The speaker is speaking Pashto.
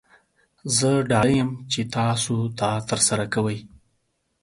زه ډاډه یم چې تاسو دا ترسره کوئ.